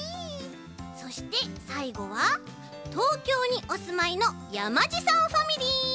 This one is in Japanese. そしてさいごは東京におすまいのやまじさんファミリー！